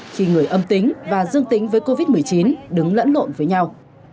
khi người âm tính và dương tính với covid một mươi chín đứng lẫn lộn với nhau